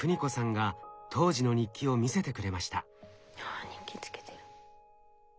あ日記つけてる。